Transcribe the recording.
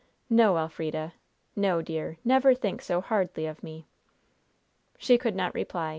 No, Elfrida! No, dear! Never think so hardly of me." She could not reply.